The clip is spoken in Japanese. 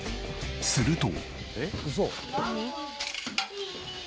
すると。